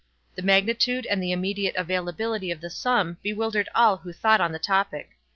The magnitude and the immediate availability of the sum bewildered all who thought on the topic.